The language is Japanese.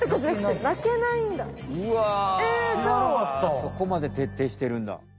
そこまでてっていしてるんだ。